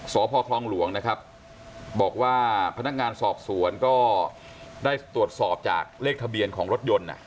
สพคลองหลวงนะครับบอกว่าพนักงานสอบสวนก็ได้ตรวจสอบจากเลขทะเบียนของรถยนต์